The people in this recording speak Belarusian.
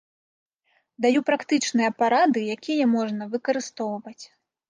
Даю практычныя парады, якія можна выкарыстоўваць.